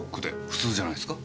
普通じゃないすか？